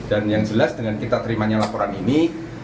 dan yang jelas dengan kita terimanya laporan ini